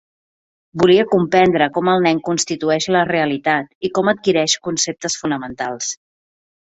Volia comprendre com el nen constitueix la realitat i com adquireix conceptes fonamentals.